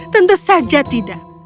tentu saja tidak